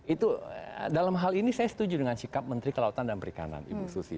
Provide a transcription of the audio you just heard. itu dalam hal ini saya setuju dengan sikap menteri kelautan dan perikanan ibu susi